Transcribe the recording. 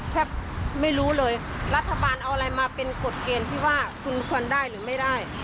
แทบไม่รู้เลยรัฐบาลเอาอะไรมาเป็นกฎเกณฑ์ที่ว่าคุณควรได้หรือไม่ได้